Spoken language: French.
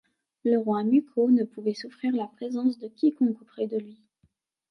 Le roi Muko ne pouvait souffrir la présence de quiconque auprès de lui.